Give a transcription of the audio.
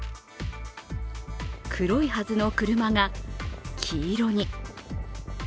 黒いはずの車が黄色に。